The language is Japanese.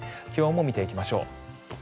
気温も見ていきましょう。